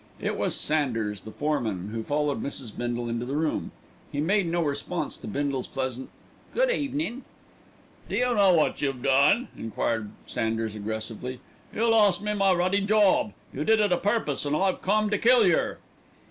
It was Sanders, the foreman, who followed Mrs. Bindle into the room. He made no response to Bindle's pleasant, "Good evenin'." "D'you know what you done?" enquired Sanders aggressively. "You lost me my ruddy job. You did it a purpose, and I've come to kill yer."